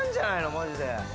マジで。